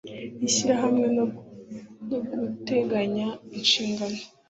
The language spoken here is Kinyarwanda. ishyirahamwe no guteganya inshingano